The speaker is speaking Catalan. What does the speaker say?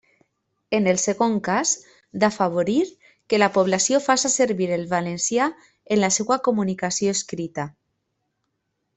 En el segon cas, d'afavorir que la població faça servir el valencià en la seua comunicació escrita.